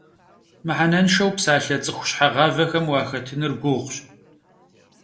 Mıhenenşşeu psalhe ts'ıxu şheğavexem vuaxetınır guğuş.